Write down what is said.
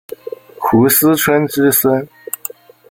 斛斯椿之孙。